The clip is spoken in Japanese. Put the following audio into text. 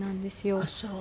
あっそう。